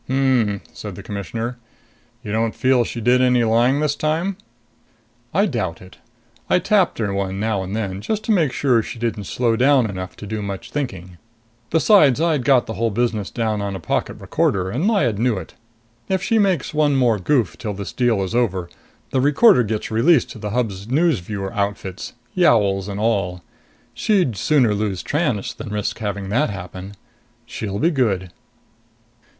"Hm," said the Commissioner. "You don't feel she did any lying this time?" "I doubt it. I tapped her one now and then, just to make sure she didn't slow down enough to do much thinking. Besides I'd got the whole business down on a pocket recorder, and Lyad knew it. If she makes one more goof till this deal is over, the recording gets released to the Hub's news viewer outfits, yowls and all. She'd sooner lose Tranest than risk having that happen. She'll be good."